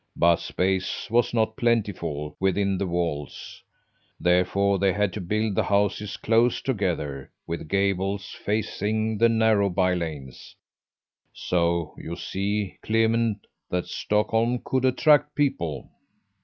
But space was not plentiful within the walls, therefore they had to build the houses close together, with gables facing the narrow by lanes. So you see, Clement, that Stockholm could attract people!"